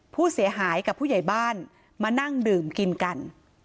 ผู้เสียหายกับผู้ใหญ่บ้านมานั่งดื่มกินกัน